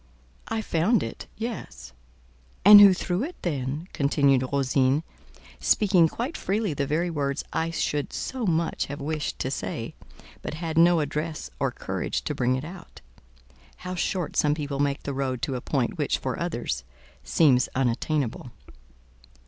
"I found it: yes." "And who threw it, then?" continued Rosine, speaking quite freely the very words I should so much have wished to say, but had no address or courage to bring it out: how short some people make the road to a point which, for others, seems unattainable!